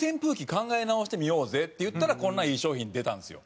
考え直してみようぜっていったらこんないい商品出たんですよ。